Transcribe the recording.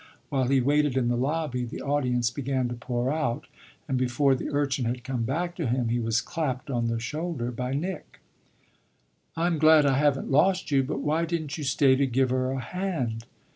While he waited in the lobby the audience began to pour out, and before the urchin had come back to him he was clapped on the shoulder by Nick. "I'm glad I haven't lost you, but why didn't you stay to give her a hand?"